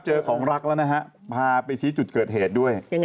เจอของรักแล้วนะฮะพาไปชี้จุดเกิดเหตุด้วย